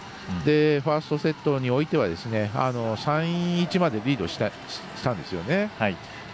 ファーストセットにおいては３−１までリードしたんですよね。